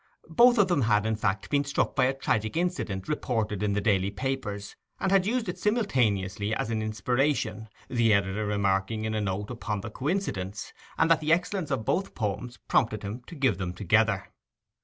Both of them had, in fact, been struck by a tragic incident reported in the daily papers, and had used it simultaneously as an inspiration, the editor remarking in a note upon the coincidence, and that the excellence of both poems prompted him to give them together.